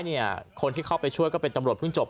คนที่เข้าไปช่วยก็เป็นตำรวจเพิ่งจบ